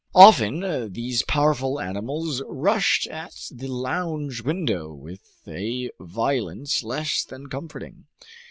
Often these powerful animals rushed at the lounge window with a violence less than comforting.